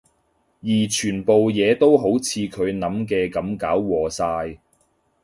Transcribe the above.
而全部嘢都好似佢諗嘅噉搞禍晒